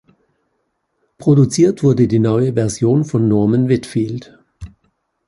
Produziert wurde die neue Version von Norman Whitfield.